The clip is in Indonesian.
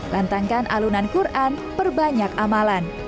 lantangkan alunan quran perbanyak amalan